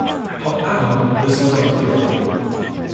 However, this never occurred.